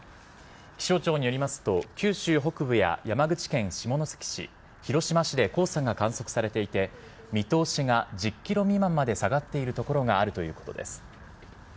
気象庁によりますと九州北部や山口県下関市広島市で黄砂が観測されていて見通しが１０ｋｍ未満まで下がっている所があるということです。